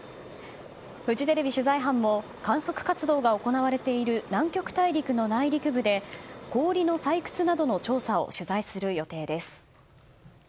フジテレビ取材班も観測活動が行われている南極大陸の内陸部で氷の採掘などの調査を取材する予定です。